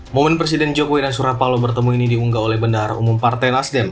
momen presiden jokowi dan surapalo bertemu ini diunggah oleh bendahara umum partai nasdem